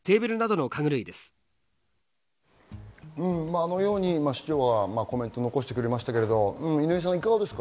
あのように市長はコメントを残してくれましたけれども、いかがですか？